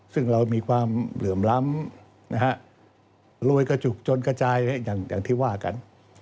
ซึ่งเรามีความเหลื่อมล้ำรวยกระจุกจนกระจายอย่างที่ว่ากัน